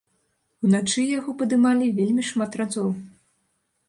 Уначы яго падымалі вельмі шмат разоў.